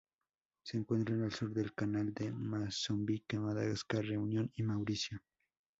Se encuentra al sur del Canal de Mozambique, Madagascar, Reunión y Mauricio.